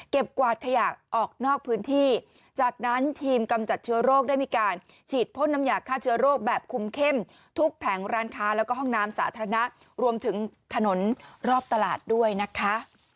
กวาดขยะออกนอกพื้นที่จากนั้นทีมกำจัดเชื้อโรคได้มีการฉีดพ่นน้ำยาฆ่าเชื้อโรคแบบคุมเข้มทุกแผงร้านค้าแล้วก็ห้องน้ำสาธารณะรวมถึงถนนรอบตลาดด้วยนะคะ